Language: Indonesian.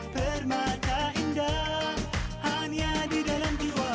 permata indah hanya di dalam jiwa